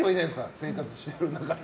生活してる中で。